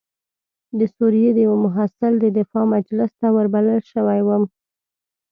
د سوریې د یوه محصل د دفاع مجلس ته وربلل شوی وم.